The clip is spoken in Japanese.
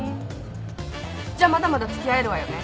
じゃまだまだ付き合えるわよね。